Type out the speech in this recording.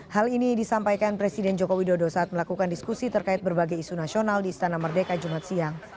hal ini disampaikan presiden joko widodo saat melakukan diskusi terkait berbagai isu nasional di istana merdeka jumat siang